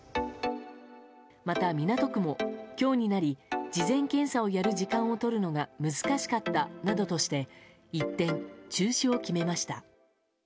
また港区も、今日になり事前検査をやる時間をとるのが難しかったなどとして一転、中止を決めました。